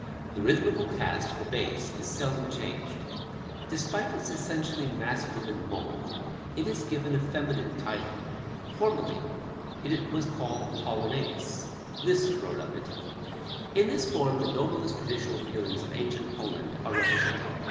The rhythmical cast of the bass is seldom changed. Despite its essentially masculine mould, it is given a feminine title; formerly it was called Polonais. Liszt wrote of it: "In this form the noblest traditional feelings of ancient Poland are represented.